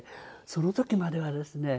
その時まではですね